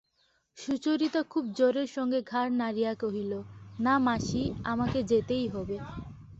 সুচরিতা খুব জোরের সঙ্গে ঘাড় নাড়িয়া কহিল, না মাসি, আমাকে যেতেই হবে।